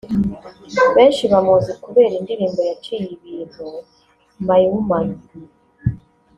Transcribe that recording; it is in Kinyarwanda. Benshi bamuzi kubera indirimbo yaciye ibintu ‘My Woman